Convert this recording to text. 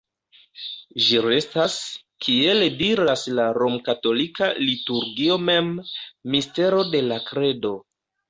Ĝi restas, kiel diras la romkatolika liturgio mem, "mistero de la kredo".